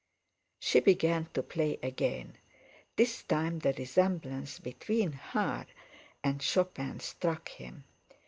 She began to play again. This time the resemblance between her and "Chopin" struck him.